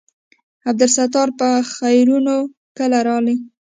عبدالستاره په خيرونه کله رالې.